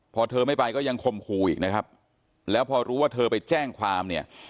พอเธอไม่ไปก็ยังคมคู่อีกนะครับแล้วพอรู้ว่าเธอไปแจ้งความเนี่ย